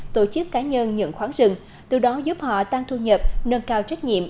tổ chức cá nhân nhận khoáng rừng từ đó giúp họ tăng thu nhập nâng cao trách nhiệm